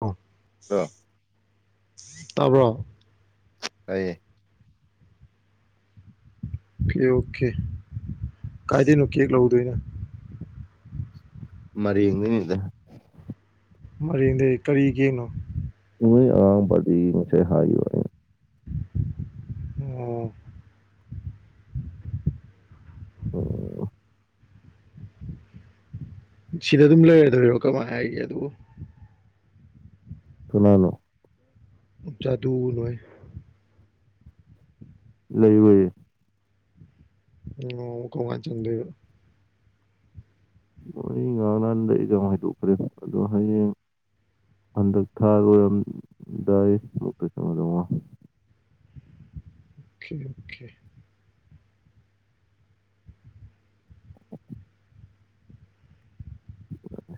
ꯑꯣ [unintelligible] ꯇꯥꯕ꯭ꯔꯣ ꯇꯥꯏꯌꯦ ꯑꯣꯀꯦ ꯑꯣꯀꯦ ꯀꯥꯏꯗꯩꯅꯣ ꯀꯦꯛ ꯂꯧꯗꯣꯏꯅ ꯃꯔꯤꯡ ꯗꯩꯅꯦꯗꯥ ꯃꯔꯤꯡꯗꯩ ꯀꯔꯤ ꯀ‌ꯦꯛꯅꯣ ꯂꯣꯏ ꯑꯉꯥꯡ ꯕꯥꯔꯗꯦꯒꯤ ꯍꯥꯏꯌꯨ ꯍꯥꯏꯅꯥ ꯑꯣ ꯑꯝ ꯁꯤꯗ ꯑꯗꯨꯝ ꯂꯩꯔꯗꯣꯏꯔꫭ ꯀꯃꯥꯏꯅ ꯍꯥꯏꯒꯦ ꯑꯗꯨꯕꯨ ꯀꯅꯅꯣ ꯖꯥꯗꯨꯂꯣꯏ ꯂꯩꯔꯣꯏꯌꯦ ꯎꯝ ꯀꯝꯀꯥꯟ ꯆꯡꯗꯣꯏꯕꯥ [unintelligible] ꯍꯟꯗꯛ ꯊꯥ ꯂꯣꯏꯔꯝꯗꯥꯏ [unintelligible] ꯑꯣꯀꯦ ꯑꯣꯀꯦ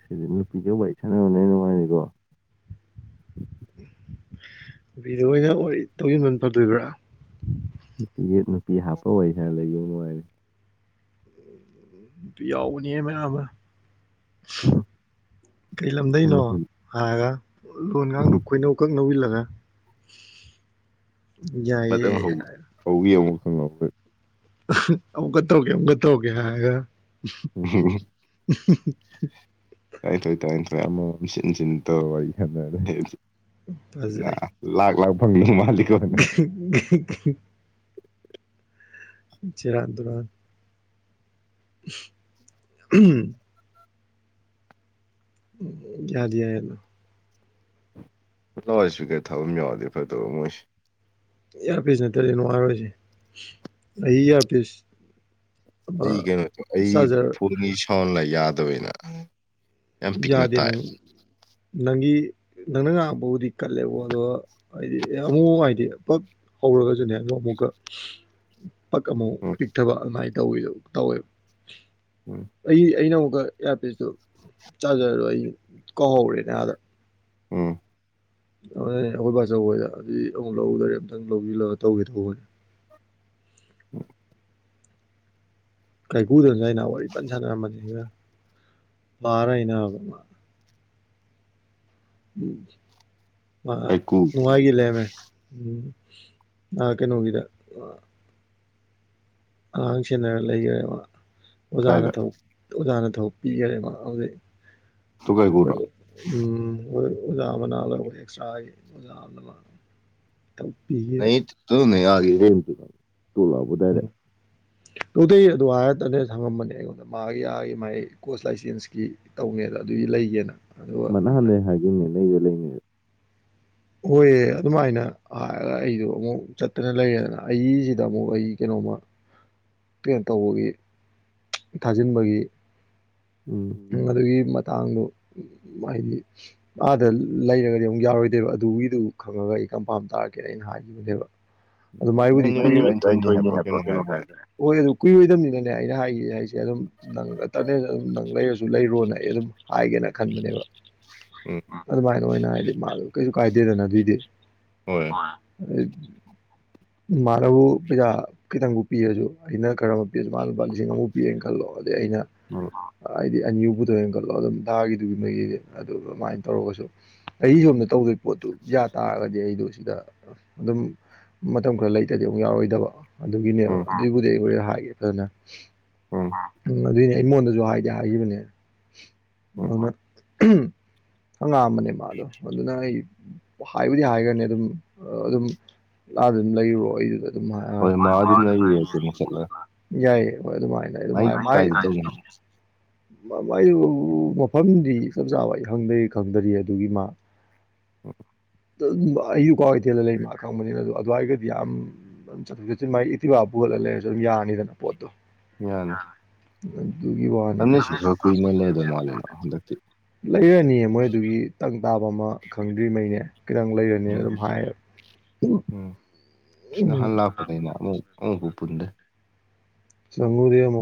ꯁꯤꯗꯤ ꯅꯨꯄꯤꯒ ꯋꯥꯔꯤ ꯁꯥꯟꯅꯕꯅꯦ ꯍꯦꯟ ꯅꯨꯡꯉꯥꯏꯅꯤꯀꯣ ꯅꯨꯄꯤꯗꯥ ꯑꯣꯏꯅꯥ ꯋꯥꯔꯤ ꯇꯧꯖꯤꯟꯕꯅꯥ ꯐꯗꯣꯏꯔꯥ ꯅꯨꯄꯤꯒꯤ ꯅꯨꯄꯤ ꯍꯥꯞꯄ ꯑꯣꯏ ꯅ ꯂꯩ ꯕꯕꯨ ꯅꯨꯡꯉꯥꯏꯅꯤ ꯌꯥꯎꯕꯅꯦ ꯍꯦ ꯃꯌꯥꯝ ꯃꯥ ꯀꯩ ꯂꯝꯗꯩꯅꯣ ꯅꯨꯡꯉꯥꯏꯅꯤ ꯍꯥꯏꯔꯒ ꯂꯣꯟꯒꯥꯡꯗꯨ ꯈꯣꯏꯅꯧꯀꯛ ꯅꯧꯏꯟꯂꯒꯥ ꯃꯊꯪ ꯍꯧ ꯍꯧ ꯌꯦꯡꯉꯣ [unintelligible] ꯑꯃꯨꯛꯀꯥ ꯇꯧꯒꯦ ꯑꯃꯨꯛꯀꯥ ꯇꯧꯒꯦ ꯍꯥꯏꯔꯥꯒꯥ [unintelligible] [unintelligible] ꯇꯔꯥꯅꯤꯊꯣꯏ ꯇꯔꯥꯅꯤꯊꯣꯏ ꯑꯃꯃꯝ ꯁꯤꯟ ꯁꯤꯟ ꯇꯧꯔ ꯋꯥꯔꯤ ꯐꯖꯩ [unintelligible] ꯂꯥꯛ ꯂꯥꯛ ꯐꯪꯗꯧ ꯃꯥꯜꯂꯤ [inaudible] ꯁꯦꯔꯥꯟ ꯇꯨꯔꯥꯟ ꯎꯝ ꯌꯥꯗꯥ ꯌꯥꯏ ꯑꯗꯣ ꯂꯥꯎꯠ ꯏꯁꯄꯤꯀꯔ ꯊꯕꯝ ꯌꯥꯎꯔꯥꯗꯤ ꯐꯗꯧꯅꯦ ꯃꯤꯏꯒꯤꯁꯦ ꯏꯌꯥꯔꯄꯤꯁ ꯅꯠꯇ꯭ꯔ ꯗꯤ ꯅꯨꯡꯉꯥꯏꯔꯣꯏꯁꯦ ꯑꯩ ꯏꯌꯥꯔꯄꯤꯁ ꯑꯩ ꯑꯃ ꯀꯩꯅꯣ ꯑꯩ ꯆꯥꯔꯖꯔ ꯐꯣꯟꯒꯤ ꯁꯥꯎꯟꯅ ꯌꯥꯗꯕꯅ ꯌꯥꯗꯦ ꯅꯪ ꯅꯪꯒꯤ ꯅꯪꯅ ꯉꯥꯡꯕꯕꯨꯗꯤ ꯀꯜꯂꯦꯕꯣ ꯑꯗꯣ ꯍꯥꯏꯗꯤ ꯑꯃꯨꯛ ꯃꯨꯛ ꯍꯥꯏꯗꯤ ꯄꯠ ꯍꯧꯔꯒꯁꯨꯅꯦꯑꯃꯨꯛ ꯑꯃꯨꯛꯀ ꯄꯛ ꯑꯃꯨꯛ ꯎꯝ ꯄꯤꯛꯊꯕ ꯑꯗꯨꯃꯥꯏ ꯇꯧꯋꯤ ꯇꯧꯋꯦꯕ ꯎꯝ ꯑꯩ ꯑꯩꯅ ꯑꯃꯨꯛꯀ ꯏꯌꯥꯔꯄꯤꯁꯇꯨ ꯆꯥꯔꯖꯔꯗꯣ ꯑꯩ ꯀꯥꯎꯍꯧꯔꯦꯅꯦ ꯑꯥꯗ ꯎꯝ ꯑꯩꯈꯣꯏ ꯕꯥ ꯑꯆꯧꯕ ꯍꯣꯏꯗꯗꯤ ꯑꯗꯨꯗꯤ ꯑꯃꯨꯛ ꯂꯧꯗꯔꯦ ꯑꯝꯇꯪ ꯂꯧꯕꯁꯤꯜꯂꯒ ꯇꯧꯒꯦ ꯇꯧꯕꯅꯦ꯫ [inaudible] ꯀꯥꯏꯀꯨꯗꯁꯨꯅꯦ ꯑꯩꯅ ꯋꯥꯔꯤ ꯄꯟ ꯁꯥꯟꯅꯔꯝꯕꯅꯤ ꯄꯔ ꯑꯩꯅ ꯀꯥꯏꯀꯨ ꯅꯨꯡꯉꯥꯏꯒꯤ ꯂꯩꯔꯝꯃꯦ꯫ ꯎꯝ ꯑꯥ ꯀꯩꯅꯣꯒꯤꯗ, ꯑꯉꯥꯡ ꯁꯦꯟꯅꯔ ꯂꯩꯈꯔꯦꯕ ꯑꯣꯖꯥꯅ ꯀꯥꯏꯗ ꯊꯧ ꯑꯣꯖꯥꯅ ꯊꯕꯛ ꯄꯤꯈꯔꯦꯕ ꯍꯧꯖꯤꯛ ꯇꯨ ꯀꯥꯏꯀꯨꯔꯣ ꯑꯩꯈꯣꯏ ꯎꯝ, ꯑꯩꯈꯣꯏ ꯑꯣꯖꯥ ꯃꯅꯥꯅ ꯑꯩꯈꯣꯏ ꯑꯦꯛꯁꯇ꯭ꯔꯥꯒꯤ ꯑꯣꯖꯥ ꯑꯃꯅ ꯄꯤꯈꯤ꯫ ꯑꯗꯨꯅꯦ ꯌꯥꯈꯤꯗ꯭ꯔꯦ ꯇꯨ ꯂꯥꯎꯕꯗꯥꯏꯗ꯫ [inaudible] ꯂꯧꯗꯩ ꯑꯗꯨ ꯍꯥꯏꯔꯠꯇꯅꯦ ꯍꯪꯉꯝꯕꯅꯦ ꯑꯩꯉꯣꯟꯗ ꯃꯥꯒꯤ ꯃꯥꯒꯤ ꯃꯥꯒꯤ ꯏꯀꯣꯁ ꯂꯥꯏꯁꯦꯟꯁꯀꯤ꯫ ꯇꯧꯒꯦꯗ ꯑꯗꯨꯗꯤ ꯂꯩꯒꯦꯅ꯫ ꯑꯗꯨꯒ ꯃꯅꯥ ꯑꯩꯅ ꯍꯥꯟꯗꯩ ꯍꯥꯏꯈꯤꯕꯅꯦ ꯂꯩꯗꯤ ꯂꯩꯅꯤꯅꯥ꯫ ꯍꯣꯏ ꯑꯗꯨꯃꯥꯏꯅ꯫ ꯍꯥꯏꯔꯒ ꯑꯩꯗꯣ ꯑꯃꯨꯛ ꯆꯠꯇꯅ ꯂꯩꯔꯦꯗꯅ ꯑꯩꯁꯤꯗ ꯑꯃꯨꯛ ꯑꯩ ꯀꯩꯅꯣꯝꯃ, ꯇ꯭ꯔꯦꯟ ꯇꯧꯕꯒꯤ ꯊꯥꯖꯤꯟꯕꯒꯤ꯫ ꯎꯝ ꯑꯗꯨꯒꯤ ꯃꯇꯥꯡꯗꯣ ꯍꯥꯏꯗꯤ, ꯑꯥꯗ ꯂꯩꯔꯒꯗꯤ ꯑꯃꯨꯛ ꯌꯥꯔꯣꯏꯗꯩꯕ ꯑꯗꯨꯒꯤꯗꯨ ꯈꯪꯉꯒ ꯑꯩ ꯀꯝꯐꯝ ꯇꯥꯔꯛꯀꯦꯅ ꯑꯩꯅ ꯍꯥꯏꯒꯤ ꯕ ꯑꯗꯨ ꯃꯥꯏ ꯃꯥꯏꯕꯨꯗꯤ ꯅꯨꯃꯤꯠ ꯍꯥꯏꯕ, ꯇꯔꯥꯅꯤꯊꯣꯏꯅꯤ ꯉꯥꯟꯊꯣꯏ ꯍꯥꯏꯕ꯭ꯔꯣ ꯀꯩꯅꯣ ꯀꯩꯅꯣꯝ ꯍꯥꯏꯗꯥꯏ ꯍꯥꯏꯕ꯭ꯔꯥ? ꯍꯣꯏ ꯑꯗꯨ ꯀꯨꯏꯔꯣꯏꯗꯕꯅꯤꯅꯅꯦ ꯑꯩꯅ ꯍꯥꯏꯒꯦ ꯍꯥꯏꯁꯦ ꯑꯗꯨꯝ ꯅꯪ ꯇꯅꯦꯜ ꯅꯪ ꯂꯩꯔꯁꯨ ꯂꯩꯔꯣꯅ ꯑꯩ ꯑꯗꯨꯝ ꯍꯥꯏꯒꯦꯅ ꯈꯟꯕꯅꯦꯕ꯫ ꯎꯝ ꯑꯗꯨꯃꯥꯏꯅ ꯑꯣꯏꯅ ꯍꯥꯏꯗꯤ ꯃꯥ ꯀꯩꯁꯨ ꯀꯥꯏꯗꯦꯗꯅ ꯑꯗꯨꯏꯗꯤ꯫ ꯍꯣꯏ [unintelligible] ꯃꯥꯅꯕꯨ ꯄꯩꯁꯥ ꯈꯤꯇꯪꯕꯨ ꯄꯤꯔꯁꯨ ꯑꯩꯅ ꯈꯔ ꯑꯃ ꯄꯤꯔꯁꯨ ꯃꯥꯅ ꯂꯨꯄꯥ ꯂꯤꯁꯤꯡ ꯑꯃꯨ ꯄꯤꯑꯦꯅ ꯈꯜꯂꯣ ꯑꯗꯩ ꯑꯩꯅ ꯑꯣ꯫ ꯍꯥꯏꯗꯤ ꯑꯅꯤ ꯄꯨꯊꯣꯛꯑꯦ ꯈꯜꯂꯣ ꯑꯗꯨꯝ ꯊꯥꯒꯤꯗꯨꯒꯤ ꯃꯒꯤ ꯑꯗꯨꯝ ꯑꯗꯨꯃꯥꯏꯅ ꯇꯧꯔꯒꯁꯨ, ꯑꯩ ꯁꯣꯝꯗ ꯇꯧꯗꯣꯏ ꯄꯣꯠꯇꯨ ꯌꯥ ꯇꯥꯔꯒꯗꯤ ꯑꯩꯗꯣ ꯁꯤꯗ ꯑꯗꯨꯝ, ꯃꯇꯝ ꯈꯔ ꯂꯩꯇ꯭ꯔꯗꯤ ꯑꯃꯨꯛ ꯌꯥꯎꯔꯣꯏꯗꯕ ꯑꯗꯨꯒꯤꯅꯦꯕ ꯎꯝ ꯑꯗꯨꯒꯤꯕꯨꯗꯤ ꯑꯩ ꯍꯥꯏꯒꯦ ꯐꯖꯅ꯫ ꯎꯝ ꯎꯝ ꯑꯗꯨꯏꯅꯦ ꯃꯉꯣꯟꯗꯁꯨ ꯍꯥꯏꯗꯤ ꯍꯥꯏꯈꯤꯕꯅꯦ ꯎꯝ ꯑꯗꯨꯅ, ꯍꯪꯉꯥꯑꯝꯕꯅꯦ ꯃꯥꯗꯣ ꯑꯗꯨꯅ ꯑꯩ ꯍꯥꯏꯕꯨꯗꯤ ꯍꯥꯏꯈ꯭ꯔꯅꯤ ꯑꯗꯨꯝ ꯑꯗꯨꯝ ꯂꯥ ꯑꯗꯨꯝ ꯂꯩꯔꯣ ꯑꯩꯗꯨꯗ ꯍꯣꯏ ꯃꯥ ꯑꯗꯨꯝ ꯑꯗꯨ ꯂꯩꯔꯤꯔꯦ ꯀꯩꯅꯣ ꯆꯠꯂꯒ ꯌꯥꯏ ꯌꯥꯏ ꯍꯣꯏ ꯃꯥꯏ ꯑꯗꯨꯃꯥꯏꯅ ꯍꯥꯏ ꯀꯥꯏꯗ ꯇꯧꯒꯦ ꯃꯥꯏ ꯃꯐꯝꯗꯤ ꯆꯞ ꯆꯥꯕ ꯑꯩ ꯈꯪꯗꯔꯤ ꯈꯪꯗꯔꯤ ꯑꯗꯨꯒꯤ ꯃꯥ, ꯑꯩꯌꯨ ꯀ꯭ꯨꯋꯥ ꯀꯩꯊꯦꯜꯗ ꯂꯩ ꯃꯥ ꯈꯪꯕꯅꯤꯅ ꯑꯗꯨ ꯑꯗꯨꯋꯥꯏꯒꯗꯤ ꯌꯥꯝ ꯆꯠꯊ ꯆꯠꯁꯤꯟ ꯃꯒꯤ ꯏꯇꯤꯚ ꯄꯨꯍꯜꯂ ꯂꯩꯔꯁꯨ ꯑꯗꯨꯝ ꯌꯥꯅꯤꯗꯅ ꯄꯣꯠꯇꯣ꯫ ꯑꯗꯨꯒꯤ ꯋꯥ ꯀꯟꯅꯩꯁꯨꯕ ꯀꯨꯏꯅ ꯂꯩꯗꯧ ꯃꯥꯂꯦꯅ ꯍꯟꯗꯛꯇꯤ꯫ ꯂꯩꯔꯅꯤꯌꯦ ꯃꯣꯏ ꯑꯗꯨꯒꯤ ꯇꯪ ꯇꯥꯕ ꯑꯃ ꯈꯪꯗ꯭ꯔꯤꯕꯩꯅꯦ꯫ ꯈꯤꯇꯪ ꯂꯩꯔꯅꯤꯅ ꯎꯝ ꯑꯗꯨꯝ ꯍꯥꯏꯌꯦꯕ꯫ ꯏꯁ ꯅꯍꯜ ꯂꯛꯄꯗꯩꯅ ꯑꯃꯨꯛ ꯇꯪꯕꯨ ꯄꯨꯟꯗꯦ꯫ ꯆꯉꯨꯔꯤ ꯑꯃ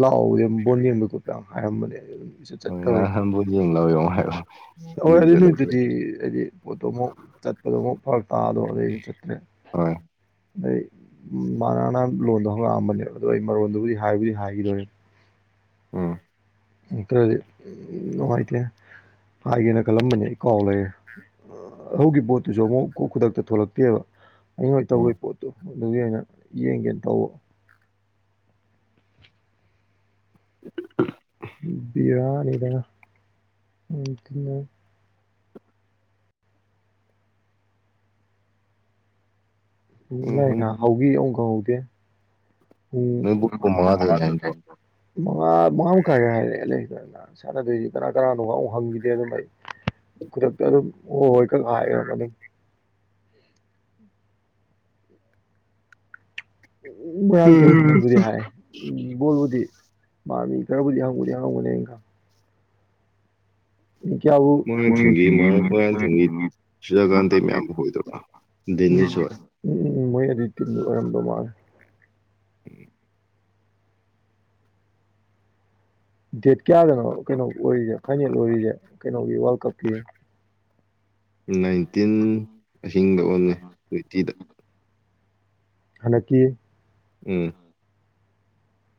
ꯂꯥꯛꯑꯣ ꯕꯣꯜ ꯌꯦꯡꯕꯩ ꯈꯣꯠꯄꯩ ꯍꯥꯏꯔꯝꯕꯅꯦ꯫ ꯍꯣꯏ ꯉꯔꯥꯡ ꯆꯠꯀꯣꯏ ꯅꯍꯥꯟ ꯕꯣꯜ ꯌꯦꯡ ꯂꯥꯎ ꯌꯦꯡꯉꯣ ꯍꯥꯏꯕ ꯍꯣꯏ ꯑꯗꯨ ꯏꯔꯨꯖꯠꯍꯧꯗ꯭ꯔꯦ ꯅꯣꯏꯗꯨꯗꯤ ꯑꯩꯗꯤ ꯄꯣꯠꯇꯣ ꯑꯃꯨꯛ ꯆꯠꯄꯗꯣ ꯑꯃꯨꯛ ꯐꯔꯛ ꯇꯥ [unintelligible] ꯍꯣꯏ ꯗꯩꯩ ꯃꯥ ꯉꯔꯥꯡ ꯅꯍꯥꯟ ꯂꯣꯟꯗ ꯍꯧꯔꯛꯑꯝꯕꯅꯦꯕ ꯗꯣ ꯑꯩ ꯃꯔꯣꯟꯗꯨꯕꯨꯗꯤ ꯍꯥꯏꯕꯨꯗꯤ ꯍꯥꯏꯒꯤꯗꯣꯔꯤꯝ ꯎꯝ ꯎꯝ ꯀꯔꯗꯤ ꯅꯨꯡꯉꯥꯏꯇꯦ ꯍꯥꯏꯒꯦꯅ ꯈꯜꯂꯝꯕꯅꯤ ꯑꯩ ꯀꯥꯎ ꯂꯩꯔꯦ ꯍꯧꯛꯀꯤ ꯕꯣꯠꯇꯨꯁꯨ ꯑꯃꯨꯛ ꯈꯨ ꯈꯨꯗꯛꯇ ꯊꯣꯛꯂꯛꯇꯦꯕ ꯑꯩꯩꯅ ꯑꯣꯏ ꯎꯝ ꯇꯧꯒꯩ ꯄꯣꯠꯇꯣ ꯑꯗꯨꯒꯤ ꯑꯣꯏꯅ ꯌꯦꯡꯒꯦꯟ ꯇꯧꯕ ꯕꯤꯔꯥꯅꯤꯗ [unintelligible] ꯄꯨꯡ ꯂꯥꯏ ꯅꯍꯧꯈꯤ ꯑꯃꯨꯛ ꯈꯡꯍꯧꯗꯦ ꯄꯨꯡ ꯅꯣꯏ ꯕꯣꯜ ꯄꯨꯡ ꯃꯉꯥꯗꯩꯅꯦ ꯍꯥꯏꯅꯤꯀꯣ ꯃꯉꯥ ꯃꯉꯥ ꯃꯈꯥꯏ ꯍꯥꯏꯔꯛꯑꯦ ꯂꯩꯗ ꯁꯥꯟꯅꯗꯣꯏꯖꯦ ꯀꯅꯥ ꯀꯅꯥꯅꯣꯒ ꯑꯃꯨꯛ ꯍꯪꯈꯤꯗꯦ ꯗꯨꯝ ꯑꯩ ꯈꯨꯗꯛꯇ ꯑꯗꯨꯝ ꯑꯣ ꯍꯣꯏ ꯈꯛ ꯍꯥꯏꯔꯝ ꯑꯗꯨꯝ ꯎ ꯃꯥꯡ [unintelligible] ꯀꯦꯔꯤ ꯍꯥꯏ ꯎꯝ ꯕꯣꯜꯕꯨꯗꯤ ꯃꯥ ꯃꯤ ꯈꯔꯕꯨꯗꯤ ꯍꯪꯕꯨꯗꯤ ꯍꯡꯉꯝꯒꯅꯤ ꯑꯩꯅ ꯈꯪꯏ ꯃꯤ ꯀꯌꯥꯕꯨ ꯃꯣꯏꯔꯥꯡ ꯊꯦꯝꯒꯤ ꯃꯣꯏ ꯃꯣꯏꯔꯥꯡꯊꯦꯝꯒꯤ ꯁꯨꯔꯖꯀꯥꯟꯇꯩ ꯃꯌꯥꯝꯕ ꯍꯣꯏꯗꯨꯒ ꯎꯝ ꯗꯦꯅꯤꯁ ꯍꯣꯏ ꯎꯝ ꯎꯝ ꯎꯝ ꯃꯣꯏ ꯑꯗꯨꯏ ꯇꯤꯝꯗꯣ ꯑꯣꯏꯔꯝꯗꯣ ꯃꯥꯜꯂꯦ ꯗꯦꯠ ꯀꯌꯥꯗꯅꯣ ꯀꯩꯅꯣ ꯑꯣꯏꯔꯤꯖꯦ ꯐꯥꯏꯅꯦꯜ ꯑꯣꯏꯔꯤꯖꯦ ꯀꯩꯅꯣꯒꯤ ꯋꯥꯔꯜ ꯀꯞꯀꯤ ꯅꯥꯏꯟꯇꯤꯟ ꯑꯍꯤꯡꯗ ꯑꯣꯏꯔꯝꯅꯤ ꯇ꯭ꯋꯦꯟꯇꯤꯗꯥ ꯍꯅꯛꯀꯤ ꯎꯝ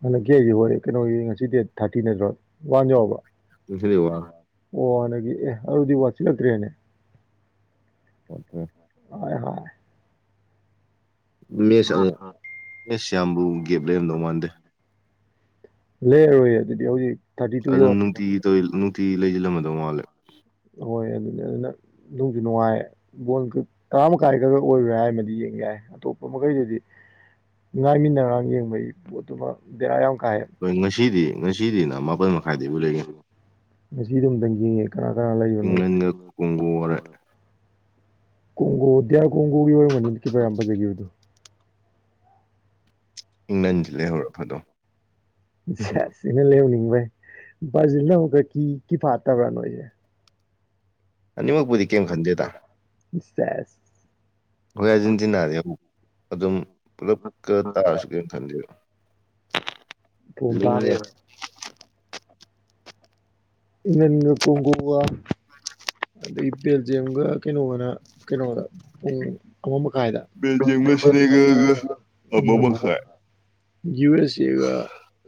ꯍꯟꯗꯛꯀꯤ ꯑꯩꯒꯤ ꯍꯣꯔꯦ ꯀꯩꯅꯣꯒꯤ ꯉꯁꯤ ꯗꯦꯠ ꯊꯔꯇꯤ ꯅꯠꯇ꯭ꯔꯣ ꯋꯥꯟ ꯌꯎꯕ꯭ꯔꯣ ꯉꯁꯤꯗꯤ ꯋꯥꯔꯦ [unintelligible] ꯑꯣ ꯍꯟꯗꯛꯒꯤ ꯑꯦ ꯑꯗꯨꯗꯤ ꯋꯥꯠꯁꯤꯜꯂꯛꯇ꯭ꯔꯦꯅꯦ ꯑꯣꯠꯇꯔ꯭ꯦ ꯍꯥꯏ ꯍꯥꯏ ꯃꯦꯁ ꯑꯃꯨꯛ ꯃꯦꯁ ꯌꯥꯝꯕꯨ ꯒꯦꯞ ꯂꯩꯔꯝꯗꯧ ꯃꯥꯟꯗꯦ ꯂꯩꯔꯔꯣꯏ ꯑꯗꯨꯗꯤ ꯍꯧꯖꯤꯛ ꯊꯥꯔꯇꯤ ꯇꯨ ꯑꯗꯨꯝ ꯌꯧꯔꯕꯅꯤꯅ ꯅꯨꯡꯇꯤꯒꯤ ꯇꯧ ꯅꯨꯡꯇꯤꯒꯤ ꯂꯩꯖꯤꯜꯂꯝꯃꯗꯧ ꯃꯥꯜꯂꯦ ꯍꯣꯏ ꯑꯗꯨꯗꯤ ꯑꯗꯨꯅ ꯅꯨꯡꯁꯨ ꯅꯨꯡꯉꯥꯏ ꯕꯣꯜ ꯀꯥꯃ ꯀꯥꯏ ꯈ ꯑꯣꯏꯒꯔ꯭ꯦ ꯍꯥꯏꯔꯝꯃꯗꯤ ꯌꯦꯡ ꯌꯥꯏ ꯑꯇꯣꯞꯄ ꯃꯈꯩꯗꯨꯗꯤ ꯉꯥꯏꯃꯤꯟꯅꯔꯥꯡ ꯌꯦꯡꯕꯒꯤ ꯄꯣꯠꯇꯨꯃ ꯕꯦꯔꯥ ꯌꯥꯝ ꯀꯥꯏꯌꯦꯕ ꯍꯣꯏ ꯉꯁꯤꯗꯤ ꯉꯁꯤꯗꯤꯅ ꯃꯥꯄꯜ ꯃꯈ ꯉꯁꯤꯗꯨꯝ ꯑꯝꯗꯪ ꯌꯦꯡꯒꯦ ꯀꯅꯥ ꯀꯅꯥ ꯂꯩ ꯏꯪꯂꯟꯅ ꯀꯣꯡꯒꯣꯒꯔꯥ ꯀꯣꯡꯒꯣ ꯗꯤꯑꯥꯔ ꯀꯣꯡꯒꯣꯒꯤ ꯑꯣꯏꯔꯝꯒꯅꯤ [unintelligible] ꯀꯤ ꯌꯥꯝ ꯐꯖꯒꯤꯕꯗꯣ ꯏꯪꯪꯂꯟꯗꯤ ꯂꯩꯍꯧꯔ ꯐꯗꯣꯝ ꯁꯁ ꯁꯤꯅ ꯂꯩꯍꯧꯅꯤꯡꯕꯩ ꯕꯔ꯭ꯥꯖꯤꯜ [unintelligible] ꯀꯤ ꯐꯥꯠꯇꯕ꯭ꯔꯥ ꯅꯣꯏꯁꯦ ꯑꯅꯤꯃꯛꯄꯨꯗꯤ ꯀꯩꯝ ꯈꯟꯗꯦꯗ ꯏꯁ ꯁꯦꯁ ꯑꯩꯈꯣꯏ ꯑꯥꯔꯖꯦꯟꯇꯤꯅꯥꯗꯤ ꯑꯃꯨꯛ ꯑꯗꯨꯝ ꯄꯨꯂꯞꯀ ꯇꯥꯔꯁꯨ ꯀꯩꯝ ꯈꯟꯗꯦꯕ ꯇꯣꯝ ꯂꯤꯡꯉꯦ ꯇꯥꯔꯦꯕ ꯢꯪꯂꯦꯟꯒ ꯀꯣꯡꯒꯣꯒ ꯑꯗꯩ ꯕꯦꯜꯖꯤꯌꯝꯒ ꯀꯩꯅꯣꯒꯅ ꯀꯩꯅꯣꯗ ꯄꯨꯡ ꯑꯃ ꯃꯈꯥꯏꯗ ꯕꯦꯜꯖꯤꯌꯝꯒ ꯁꯤꯅꯦꯒꯜꯒ ꯑꯃ ꯃꯈꯥꯏ [unintelligible] ꯌꯨ ꯑꯦꯁ ꯑꯦꯒ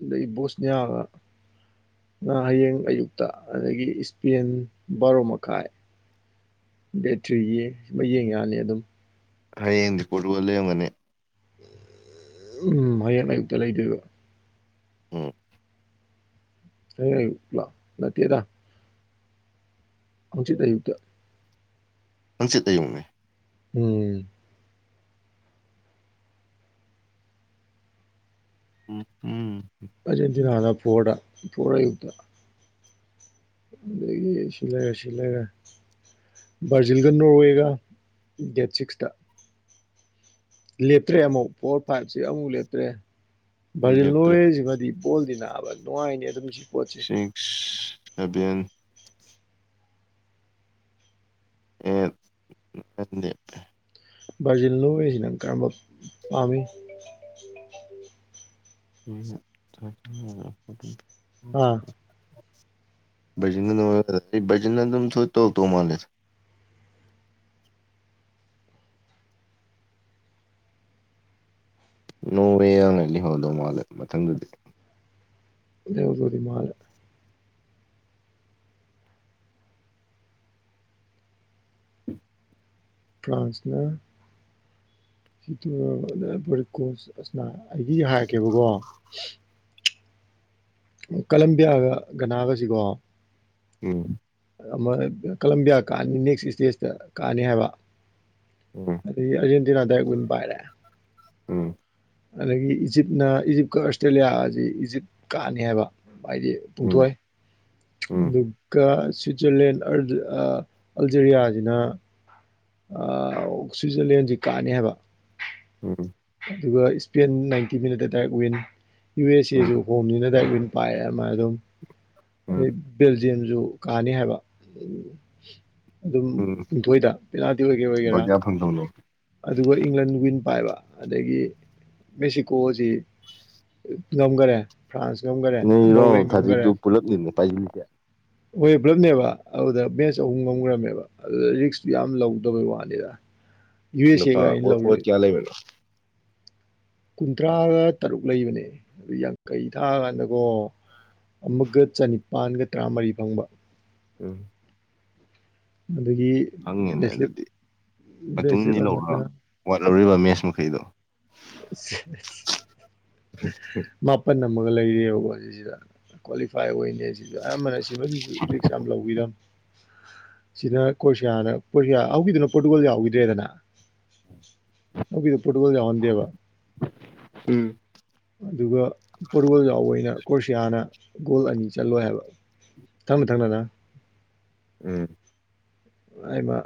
ꯑꯗꯩꯒꯤ ꯕꯣꯁꯅꯤꯌꯥꯒ ꯅ ꯍꯌꯦꯡ ꯑꯌꯨꯛꯇ ꯑꯗꯒꯤ ꯏꯁꯄꯦꯟ ꯕꯥꯔꯣ ꯃꯈꯥꯏ ꯕꯦꯇ꯭ꯔꯤꯒꯤ ꯃꯌꯦꯡ ꯌꯥꯅꯤ ꯑꯗꯨꯝ ꯍꯌꯦꯡꯗꯤ ꯄꯣꯔꯇꯨꯒꯜ ꯂꯩꯔꯝꯒꯅꯤ ꯎꯝ ꯍꯌꯦꯡ ꯑꯌꯨꯛꯇ ꯂꯩꯗꯣꯏꯕ ꯎꯝ ꯍꯌꯦꯡ ꯑꯌꯨꯛ ꯅꯠ ꯅꯠꯇꯦꯗ ꯍꯧꯖꯤꯛ ꯑꯌꯨꯛꯇ ꯍꯪꯆꯤꯠ ꯑꯌꯨꯛꯅꯤ ꯎꯝ ꯎꯝ ꯎꯝ ꯑꯔꯖꯦꯟꯇꯤꯅꯥꯅ ꯐꯣꯔꯗ ꯐꯣꯔ ꯑꯌꯨꯛꯇ ꯑꯗꯒꯤ ꯁꯤꯂꯩꯔꯦ ꯁꯤꯂꯩꯔꯦ ꯕꯥꯔꯖꯤꯜꯒ ꯅꯣꯔꯋꯦꯒ ꯗꯦꯠ ꯁꯤꯛꯁꯇ ꯂꯦꯞꯇ꯭ꯔꯦ ꯑꯃꯨꯛ ꯐꯣꯔ ꯐꯥꯏꯚꯁꯤ ꯑꯃꯨꯛ ꯂꯦꯞꯇ꯭ꯔꯦ ꯚꯜꯖꯤꯜ ꯂꯦꯞꯇ꯭ꯔꯦ ꯂꯣꯏꯁꯤꯃꯗꯤ ꯀꯣꯜꯗꯤ ꯅꯥꯕ ꯅꯨꯡꯉꯥꯏꯅꯤ ꯑꯗꯨꯝꯁꯨ ꯁꯤꯛꯁ ꯑꯦꯚꯦꯟ ꯑꯦꯠ ꯑꯦꯠꯅꯦ ꯕꯔꯖꯤꯜꯂꯣ ꯑꯣꯢꯔꯤꯖꯦ ꯀꯝꯕ ꯄꯥꯝꯃꯤ ꯑꯥ [unintelligible] ꯕꯔꯖꯤꯟꯅ ꯅꯪꯉꯣꯟꯗ ꯀꯩꯗꯧ ꯕꯖꯤꯟꯅ ꯑꯗꯨꯝ ꯁꯣꯏ ꯇꯧ ꯇꯧ ꯃꯥꯜꯂꯦ ꯅꯣꯡꯑꯦꯅ ꯂꯩꯍꯧꯗꯧ ꯃꯥꯜꯂꯦ ꯃꯊꯪꯗꯗꯤ ꯂꯩꯗꯣꯗꯤ ꯃꯥꯜꯂꯦ ꯐ꯭ꯔꯥꯟꯁꯅ [unintelligible] ꯀꯂꯝꯕꯤꯌꯥꯒ ꯒꯅꯥꯒꯁꯤꯀꯣ ꯎꯝ ꯀꯂꯝꯕꯤꯌꯥ ꯀꯥꯅꯤ ꯅꯦꯛꯁ ꯏꯁꯇꯦꯖꯇ ꯀꯥꯅꯤ ꯍꯥꯏꯕ ꯎꯝ ꯑꯗꯒꯤ ꯑꯔꯖꯦꯟꯇꯤꯅꯥꯗ ꯗꯥꯢ ꯋꯤꯟ ꯄꯥꯏꯔꯦ ꯎꯝ ꯑꯗꯒꯤ ꯏꯖꯤꯞꯅ ꯏꯖꯤꯞꯀ ꯑꯁꯇ꯭ꯔꯦꯂꯤꯌꯥ ꯑꯁꯤ ꯏꯖꯤꯞ ꯀꯥꯅꯤ ꯍꯥꯏꯕ ꯍꯥꯏꯗꯤ ꯎꯝ ꯄꯨꯡꯊꯣꯢ ꯎꯝ ꯑꯗꯨꯒ ꯁ꯭ꯋꯤꯠꯖꯔꯂꯦꯟ ꯑꯜꯖꯔꯤꯌꯥꯒꯤꯅ ꯑꯥ ꯁ꯭ꯋꯤꯖꯔꯂꯦꯟꯁꯦ ꯀꯥꯅꯤ ꯍꯥꯏꯕ ꯑꯗꯨꯒ ꯏꯁꯄꯦꯟ ꯅꯥꯏꯟꯇꯤ ꯃꯤꯅꯠ ꯍꯥꯏꯇꯥꯔꯦ ꯋꯤꯟ ꯌꯨ ꯑꯦꯁ ꯎꯝ ꯑꯦꯁꯨ ꯍꯣꯝꯅꯤꯅ ꯂꯨꯅ ꯄꯥꯏ ꯑꯃ ꯑꯗꯨꯝ ꯎꯝ ꯎꯝ ꯑꯗꯩ ꯕꯦꯜꯖꯤꯌꯝꯁꯨ ꯀꯥꯅꯤ ꯍꯥꯏꯕ ꯑꯗꯨꯝ ꯎꯝ ꯄꯨꯨꯡꯊꯣꯏꯗ ꯄꯦꯅꯥꯜꯇꯤ ꯑꯣꯏꯒꯦ ꯑꯣꯏꯒꯦꯔꯥ ꯕꯒ꯭ꯌꯥ ꯐꯪꯗꯧꯅꯦ ꯑꯗꯨꯒ ꯏꯪꯂꯦꯟ ꯋꯤꯟ ꯄꯥꯏꯕ ꯑꯗꯒꯤ ꯃꯦꯛꯁꯤꯀꯣꯁꯤ ꯉꯝꯒꯔꯦ ꯐ꯭ꯔꯥꯟꯁ ꯉꯝꯒꯔꯦ ꯅꯣꯔꯋꯦ ꯉꯝꯒꯔꯦ ꯂꯤꯟꯅ ꯄꯥꯏꯕꯤꯒꯦ ꯍꯦ ꯄꯨꯂꯞꯅꯦꯕ ꯑꯗꯨꯗ ꯃꯦꯠꯆ ꯑꯍꯨꯝ ꯉꯝꯒ꯭ꯔꯝꯃꯦꯕ ꯑꯗꯨꯗ ꯔꯤꯛꯁꯇꯨ ꯌꯥꯝ ꯂꯧꯗꯕꯩ ꯋꯥꯅꯤꯗ ꯌꯨ ꯑꯦꯁ ꯅꯨꯄꯥ ꯑꯦꯒ ꯑꯩꯅ ꯑꯣꯠ ꯑꯣꯠ ꯂꯧꯔꯤ ꯀꯌꯥ ꯂꯩꯕꯅꯣ ꯀꯨꯟꯊ꯭ꯔꯥꯒ ꯇꯔꯨꯛ ꯂꯩꯕꯅꯦ ꯑꯗꯨ ꯌꯥꯡꯈꯩ ꯊꯥ ꯀꯥꯟꯗꯀꯣ ꯑꯃꯨꯛꯀ ꯆꯅꯤꯄꯥꯟꯒ ꯇꯔꯥꯃꯔꯤ ꯐꯪꯕ ꯎꯝ ꯑꯗꯨꯒꯤ ꯍꯪꯉꯦꯅꯦ ꯑꯗꯨꯗꯤ ꯃꯇꯨꯡ ꯕꯦꯁꯂꯤꯞ ꯏ ꯂꯧꯔ ꯑꯃꯅ ꯋꯥꯠꯍꯧꯔꯤꯕ ꯃꯦꯁ ꯃꯈꯩꯗꯣ [unintelligible] [unintelligible] ꯃꯥꯄꯟ ꯑꯃꯒ ꯂꯩꯔꯤꯑꯕꯀꯣ ꯁꯤꯁꯤꯗ ꯀ꯭ꯋꯥꯂꯤꯐꯥꯏ ꯑꯣꯏ ꯁꯤꯗ ꯑꯌꯥꯝꯕꯅ ꯁꯤꯃꯁꯨ ꯔꯤꯛꯁ ꯌꯥꯝ ꯂꯧꯕꯤꯔꯝꯃꯦ ꯁꯤꯅ ꯀꯣꯁꯤꯌꯥꯅ ꯀꯣꯁꯤꯌꯥ ꯍꯧꯒꯤꯗꯨꯅ ꯄꯣꯔꯇꯨꯒꯜ ꯌꯥꯎꯈꯤꯗ꯭ꯔꯦꯗꯅ ꯑꯣꯛꯣꯏꯗ ꯄꯨꯣꯠꯀꯣꯗ ꯌꯥꯎꯟꯗꯦꯕ ꯎꯝ ꯑꯗꯨꯒ ꯄꯔꯨꯇꯨꯒ꯭ꯔꯤ ꯌꯥꯎꯕꯩꯅ ꯀ꯭ꯔꯣꯁꯤꯌꯥꯅ ꯒꯣꯜ ꯑꯅꯤ ꯆꯠꯂꯣꯏ ꯍꯥꯏꯕ ꯊꯝꯅ ꯊꯥꯡꯅꯗꯅ ꯎꯝ ꯍꯥꯏꯃ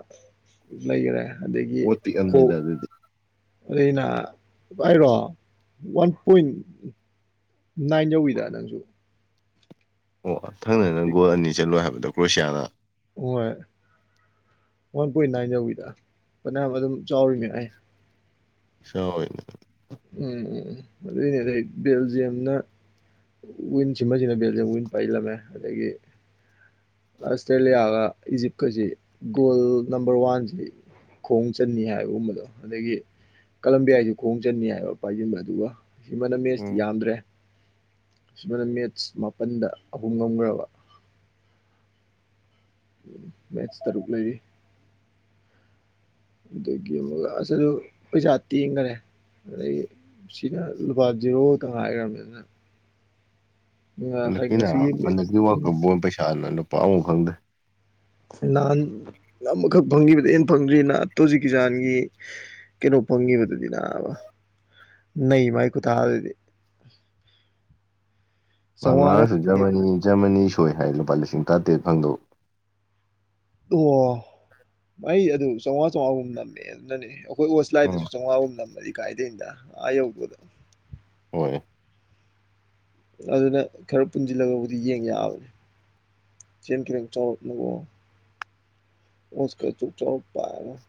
ꯂꯩꯈꯔꯦ ꯑꯗꯒꯤ ꯑꯣꯠ ꯀꯣꯛ ꯄꯤꯛꯑꯝꯅꯤꯗ ꯑꯗꯨꯗꯤ ꯑꯗ ꯑꯩꯅ ꯍꯥꯏꯔꯣ ꯋꯥꯟ ꯄꯣꯏꯟ ꯅꯥꯏꯟ ꯌꯧꯋꯤꯗ ꯅꯪꯁꯨ ꯑꯣ ꯊꯪꯅꯅ ꯒꯣꯜ ꯑꯅꯤ ꯆꯠꯂꯣ ꯍꯥꯏꯕꯗꯣ ꯀ꯭ꯔꯣꯁꯤꯌꯥꯅ ꯍꯣꯏ ꯋꯥꯟ ꯄꯣꯏꯟ ꯅꯥꯏꯟ ꯌꯧꯏꯗ ꯐꯅꯌꯥꯝ ꯑꯗꯨꯝ ꯆꯥꯎꯔꯤꯅꯦ ꯑꯩ ꯁꯧꯏꯅꯦ ꯎꯝ ꯎꯝ ꯑꯗꯨꯅꯦ ꯕꯦꯜꯖꯤꯌꯝꯅ ꯋꯤꯟ ꯁꯤꯃꯕꯁꯤꯅ ꯕꯦꯜꯁꯦ ꯋꯤꯟ ꯄꯥꯏꯜꯂꯝꯃꯦ ꯑꯗꯒꯤ ꯑꯁꯇ꯭ꯔꯦꯂꯤꯌꯥꯒ ꯏꯖꯤꯞ ꯀꯥꯁꯦ ꯒꯣꯂꯝ ꯅꯝꯕ꯭ꯔꯤ ꯋꯥꯟꯁꯦ ꯈꯣꯡ ꯆꯟꯅꯤ ꯍꯥꯏꯕꯒꯨꯝꯕꯗꯣ ꯑꯗꯒꯤ ꯀꯂꯝꯕꯤꯌꯥꯁꯨ ꯈꯣꯡ ꯆꯟꯅꯤ ꯍꯥꯏꯕ ꯄꯥꯏꯁꯤꯟꯕ ꯑꯗꯨꯒ ꯁꯤꯃꯅ ꯃꯦꯠꯁꯇꯤ ꯎꯝ ꯌꯥꯝꯗ꯭ꯔꯦ ꯁꯃꯥꯏꯅ ꯃꯦꯠꯁ ꯃꯥꯄꯟꯗ ꯑꯍꯨꯝ ꯉꯝꯈ꯭ꯔꯕ ꯃꯦꯠ ꯇꯔꯨꯛ ꯂꯩꯔꯤ ꯑꯗꯒꯤ ꯑꯃꯨꯛ ꯑꯁ ꯑꯗꯨ ꯄꯩꯁꯥ ꯇꯦꯡꯈꯔꯦ ꯑꯗꯩ ꯁꯤꯅ ꯂꯨꯄꯥ ꯖꯤꯔꯣ ꯇ ꯉꯥꯏꯈ꯭ꯔꯝꯅꯤꯅ ꯍꯟꯗꯛꯀꯤ ꯉꯁꯤꯒꯤ ꯍꯟꯗꯛꯀꯤ ꯋꯥꯀ ꯕꯣꯟ ꯄꯩꯁꯥꯅ ꯂꯨꯄꯥ ꯑꯨꯛ ꯈꯪꯗ꯭ꯔꯦ ꯅꯍꯥꯟ ꯑꯃꯈꯛ ꯐꯪꯈꯤꯕꯗ ꯍꯦꯟꯅ ꯐꯪꯗ꯭ꯔꯤꯑꯅ ꯇꯣꯖꯤꯛꯀꯤꯖꯥꯟꯒꯤ ꯀꯩꯅꯣ ꯄꯪꯉꯤꯕꯗꯨꯗꯤꯅꯥꯕ ꯅꯣꯏ ꯏꯃꯥꯒꯤ ꯈꯨꯊꯥꯗꯨꯗꯤ ꯃꯥ ꯆꯥꯝꯃꯉꯥꯅ ꯉꯔꯥꯡꯁꯨ ꯖꯔꯃꯅꯤ ꯖꯔꯃꯅꯤ ꯁꯣꯏ ꯍꯥꯏ ꯂꯨꯄꯥ ꯂꯤꯁꯤꯡ ꯇꯔꯥꯇꯔꯦꯠ ꯐꯪꯗꯧ ꯑꯣ ꯃꯩ ꯑꯗꯨ ꯆꯥꯝꯃꯉꯥ ꯆꯥꯝꯃꯉꯥꯒꯨꯝ ꯅꯝꯃꯦ ꯑꯗꯨꯅꯅꯦ ꯑꯩꯈꯣꯏ ꯑꯣꯁ ꯎꯝ ꯂꯥꯏꯗꯁꯨ ꯆꯥꯝꯃꯉꯥꯍꯨꯝꯝꯃꯅꯤ ꯀꯥꯏꯗꯩꯅꯗ ꯑꯥ ꯌꯧꯗꯅꯣ ꯍꯣꯏ ꯑꯗꯨꯅ ꯈꯔ ꯄꯨꯟꯁꯤꯜꯂꯒꯕꯨꯗꯤ ꯌꯦꯡ ꯌꯥꯕꯅꯤ [unintelligible]